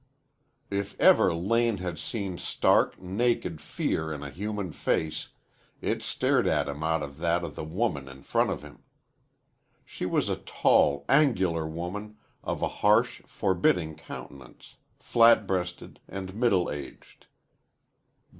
If ever Lane had seen stark, naked fear in a human face, it stared at him out of that of the woman in front of him. She was a tall, angular woman of a harsh, forbidding countenance, flat breasted and middle aged.